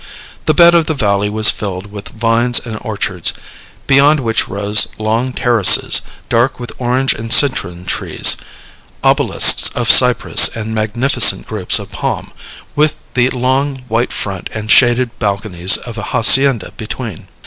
The bed of the valley was filled with vines and orchards, beyond which rose long terraces, dark with orange and citron trees, obelisks of cypress and magnificent groups of palm, with the long white front and shaded balconies of a hacienda between.